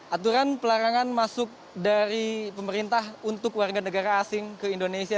aturan pelarangan masuk dari pemerintah untuk warga negara asing ke indonesia